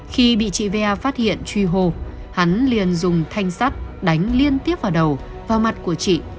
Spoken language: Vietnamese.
khi bị chị vea phát hiện truy hô hắn liền dùng thanh sắt đánh liên tiếp vào đầu vào mặt của chị